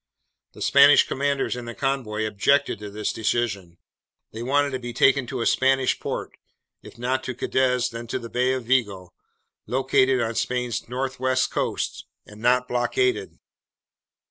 "The Spanish commanders in the convoy objected to this decision. They wanted to be taken to a Spanish port, if not to Cadiz, then to the Bay of Vigo, located on Spain's northwest coast and not blockaded.